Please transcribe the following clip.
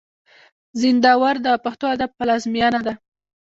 زينداور د پښتو ادب پلازمېنه ده.